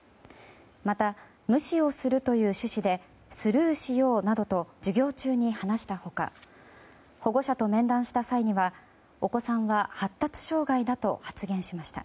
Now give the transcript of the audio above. また、無視をするという趣旨でスルーしようなどと授業中に話した他保護者と面談した際にはお子さんは発達障害だと発言しました。